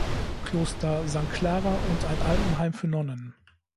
Kloster Sankt Klara und ein Altenheim für Nonnen.